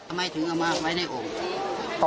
ถ้าไม่ถึงก็มากไม่ได้กลัว